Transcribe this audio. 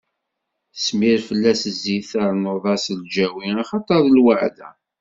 Smir fell-as zzit, ternuḍ-as lǧawi, axaṭer d lweɛda.